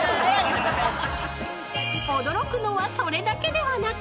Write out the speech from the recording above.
［驚くのはそれだけではなく］